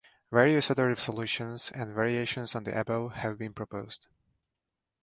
Various other solutions, and variations on the above, have been proposed.